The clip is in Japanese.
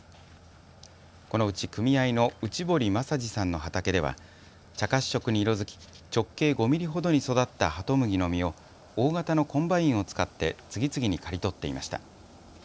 このうち、組合の内堀雅司さんの畑では茶褐色に色づき直径５ミリほどに育ったハトムギの実を大型のコンバインを使って次々に刈り取っていました。